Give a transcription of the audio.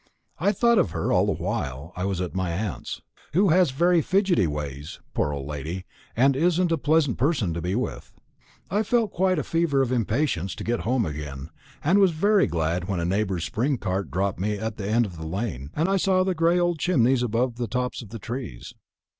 I thought of her all the while I was at my aunt's; who has very fidgety ways, poor old lady, and isn't a pleasant person to be with. I felt quite in a fever of impatience to get home again; and was very glad when a neighbour's spring cart dropped me at the end of the lane, and I saw the gray old chimneys above the tops of the trees.